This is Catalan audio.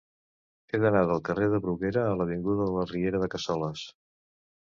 He d'anar del carrer de Bruguera a l'avinguda de la Riera de Cassoles.